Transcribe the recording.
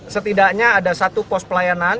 setidaknya ada satu pos pelayanan